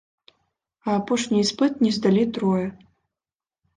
А апошні іспыт не здалі трое.